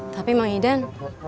tapi mang idan